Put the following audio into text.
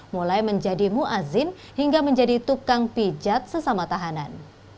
mulai menjadi ⁇ muazzin hingga menjadi tukang pijat sesama tahanan